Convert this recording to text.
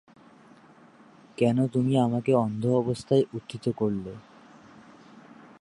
কেন তুমি আমাকে অন্ধ অবস্থায় উত্থিত করলে?